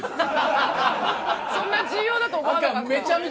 そんな重要だと思わなかった。